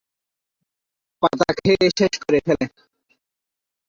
পাতা খেয়ে শেষ করে ফেলে।